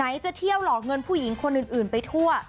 จะเที่ยวหลอกเงินผู้หญิงคนอื่นไปทั่ว